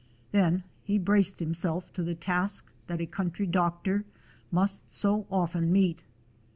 Then he braced himself to the task that a country doctor must so often meet.